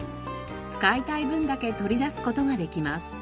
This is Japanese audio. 使いたい分だけ取り出す事ができます。